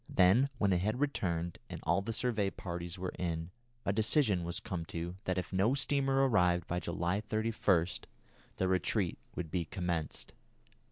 Then when it had returned and all the survey parties were in, a decision was come to that if no steamer arrived by July 31 the retreat would be commenced.